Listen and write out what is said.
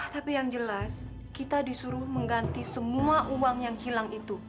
tapi yang jelas kita disuruh mengganti semua uang yang hilang itu